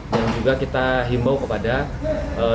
dan juga kita himbau kepada deras